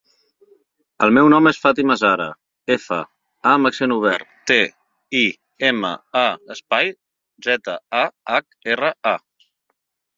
El meu nom és Fàtima zahra: efa, a amb accent obert, te, i, ema, a, espai, zeta, a, hac, erra, a.